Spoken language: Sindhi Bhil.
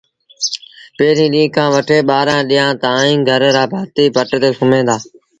پيريݩ ڏيݩهݩ کآݩ وٺي ٻآرآݩ ڏيݩهآݩ تائيٚݩ گھر رآ ڀآتيٚ پٽ تي سُوميݩ دآ